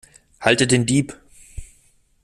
Haltet den Dieb!